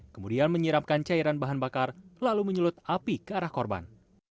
kemudian menyiramkan cairan bahan bakar lalu menyulut api ke arah korban